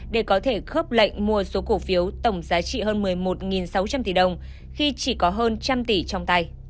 để có thể khớp lệnh mua số cổ phiếu tổng giá trị hơn một mươi một sáu trăm linh tỷ đồng khi chỉ có hơn trăm tỷ trong tay